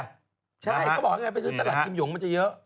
ใช่เขาบอกว่าไงไปซื้อตลาดกิมหยงมันจะเยอะ